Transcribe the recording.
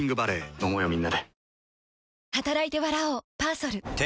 飲もうよみんなで。